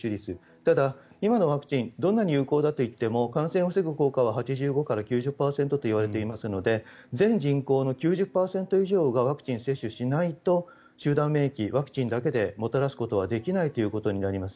ただ、今のワクチンどんなに有効だといっても感染を防ぐ効果は８５％から９０％と言われていますので全人口の９０％以上がワクチン接種しないと集団免疫、ワクチンだけでもたらすことはできないということになります。